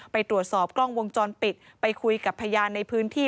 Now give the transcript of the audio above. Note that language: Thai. ไปตรวจสอบกล้องวงจรปิดไปคุยกับพยานในพื้นที่